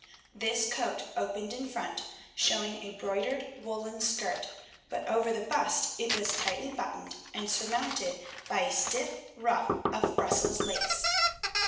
This coat opened in front, showing a broidered woollen skirt, but over the bust it was tightly buttoned and surmounted by a stiff ruff of Brussels lace.